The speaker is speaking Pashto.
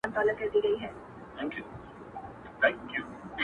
له هیواده د منتر د کسبګرو،